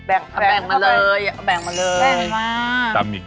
เอาแบ่งมาเลย